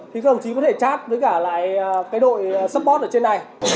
thì các đồng chí có thể chát với cả lại cái đội support ở trên này